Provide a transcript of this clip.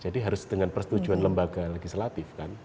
jadi harus dengan persetujuan lembaga legislatif